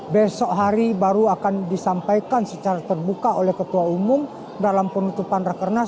besok hari baru akan disampaikan secara terbuka oleh ketua umum dalam penutupan rakernas